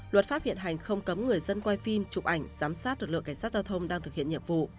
luật pháp hiện hành không cấm người dân quay phim chụp ảnh giám sát lực lượng cảnh sát giao thông đang thực hiện nhiệm vụ